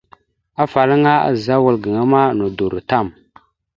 Afalaŋa azza wal gaŋa ma nodoró tam.